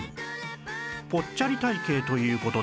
ぽっちゃり体形という事で